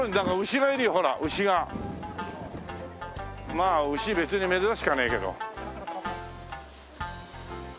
まあ牛別に珍しくはねえけど。